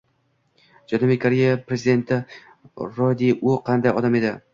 Janubiy Koreya prezidenti Ro De U qanday odam edi?